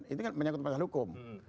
itu kan menyangkut masalah hukum